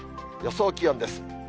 予想気温です。